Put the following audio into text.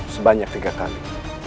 sebanyak tiga kali